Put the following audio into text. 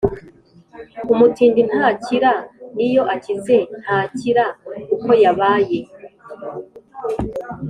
Umutindi ntacyira niyo akize ntakira uko yabaye.